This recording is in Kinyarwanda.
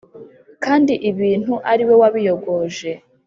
kandi ibintu ari we wabiyogoje!